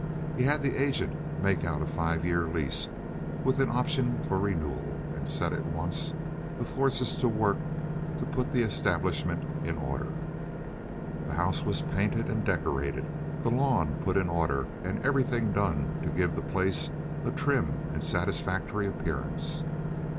He had the agent make out a five year lease, with an option for renewal, and set at once the forces to work to put the establishment in order. The house was painted and decorated, the lawn put in order, and everything done to give the place a trim and satisfactory appearance.